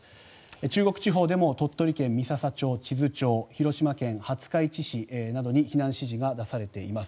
中国地方でも鳥取県三朝町、智頭町広島県廿日市市などに避難指示が出されています。